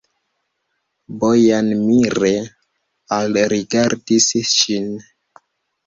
Bojan mire alrigardis ŝin.